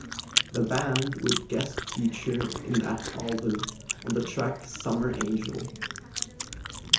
The band would guest feature in that album, on the track "Summer Angel".